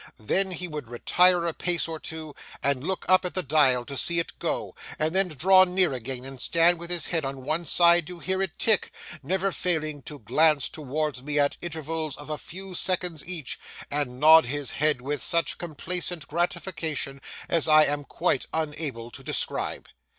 Then he would retire a pace or two and look up at the dial to see it go, and then draw near again and stand with his head on one side to hear it tick: never failing to glance towards me at intervals of a few seconds each, and nod his head with such complacent gratification as I am quite unable to describe.